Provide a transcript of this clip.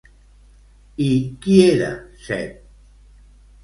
I qui era Set?